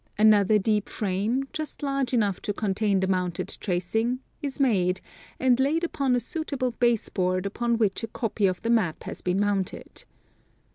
Another deep frame, just large enough to contain the mounted tracing, is made, and laid upon a suitable base board upon which a copy of the map has been mounted.